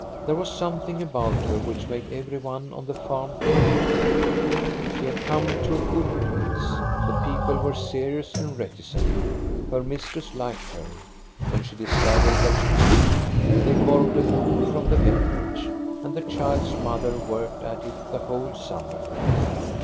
There was something about her which made every one on the farm kind to her. She had come to THE CHILD'S MOTHER 387 a good place. The people were serious and reticent. Her mistress liked her ; when she discovered that she could weave, they borrowed a loom from the vicar age, and the child's mother worked at it the whole summer.